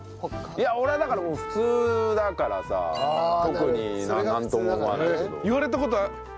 いや俺はだからもう普通だからさ特になんとも思わないけど。